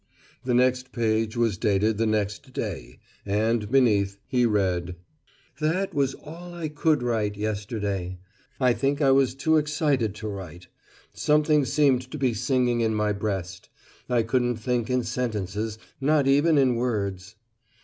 The next page was dated the next day, and, beneath, he read: "That was all I could write, yesterday. I think I was too excited to write. Something seemed to be singing in my breast. I couldn't think in sentences not even in words.